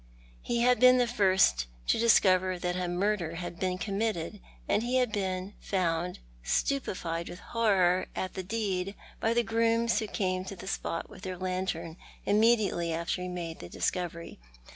lie had been the first to discover that a murder had been committed, and he had been found, stupefied with horror at the deed, by the grooms who came to the spot with their lantern immediately after he made the discovery.